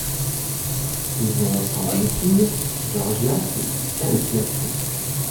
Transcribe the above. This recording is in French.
Ils ont ensemble une fille, Georgia, elle aussi actrice.